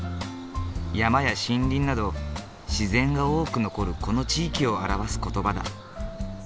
山や森林など自然が多く残るこの地域を表す言葉だ。